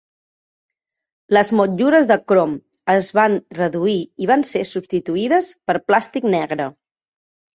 Les motllures de crom es van reduir i van ser substituïdes per plàstic negre.